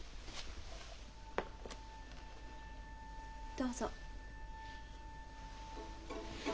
どうぞ。